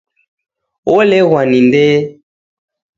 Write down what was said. Oleghwa ni nd'e